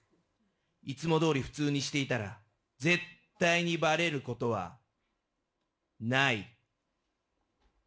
いつもどおり普通にしていたら、絶対にばれることはない。